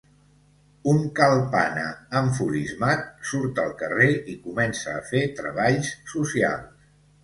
Un Kalpana enfurismat surt al carrer i comença a fer treballs socials.